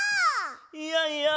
いやいや。